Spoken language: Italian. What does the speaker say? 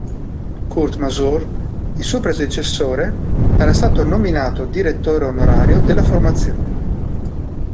Kurt Masur, il suo predecessore, era stato nominato direttore onorario della formazione.